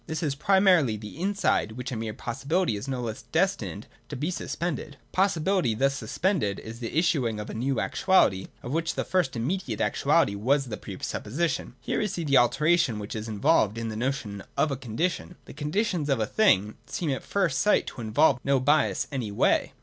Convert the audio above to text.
This is primarily the inside, which as a mere possibility is no less destined to be suspended. Possibility thus suspended is the issuing of a new actuality, of which the first immediate actuality was the pre supposition. Here we see the alternation which is involved in the notion of a Condition. The Conditions of a thing seem at first sight to involve no bias any way.